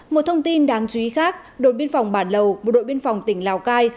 một thông tin đáng chú ý khác đội biên phòng bản lầu một đội biên phòng tỉnh lào cai